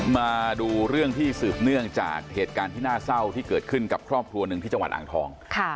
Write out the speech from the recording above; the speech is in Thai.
มาดูเรื่องที่สืบเนื่องจากเหตุการณ์ที่น่าเศร้าที่เกิดขึ้นกับครอบครัวหนึ่งที่จังหวัดอ่างทอง